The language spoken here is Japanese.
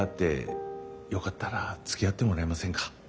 よかったらつきあってもらえませんか？